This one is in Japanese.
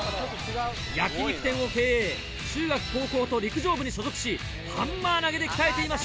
焼き肉店を経営中学高校と陸上部に所属しハンマー投げで鍛えていました。